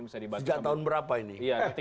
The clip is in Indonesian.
sejak tahun berapa ini